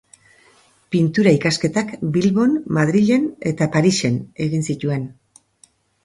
Pintura ikasketak Bilbon, Madrilen eta Parisen egin zituen.